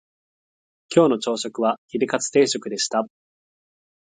今日の朝食はヒレカツ定食でした